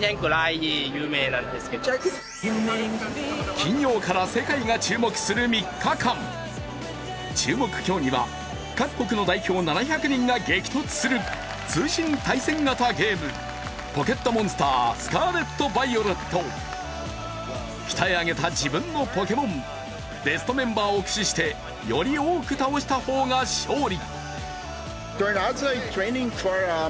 金曜から世界が注目する３日間、注目競技は各国の代表７００人が激突する通信対戦型ゲーム「ポケットモンスタースカーレット・バイオレット」鍛え上げた自分のポケモンベストメンバーを駆使してより多く倒した方が勝利。